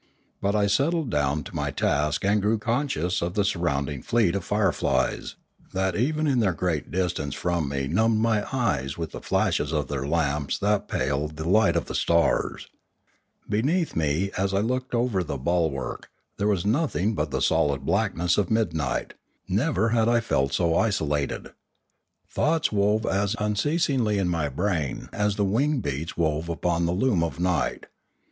But I settled down to my task and grew conscious of the surrounding fleet of fire flies, that even at their great distance from me numbed my eyes with the flash of their lamps and paled the light of the stars. Beneath me, as I looked over the bulwark, there was nothing but the solid blackness of midnight; never had I felt so isolated. Thoughts wove as unceasingly in ray brain as the wing beats wove upon the loom of night.